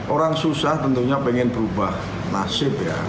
orang susah tentunya pengen berubah nasib ya